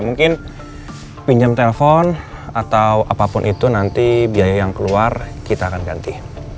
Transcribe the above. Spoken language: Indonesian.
mungkin pinjam telepon atau apapun itu nanti biaya yang keluar kita akan ganti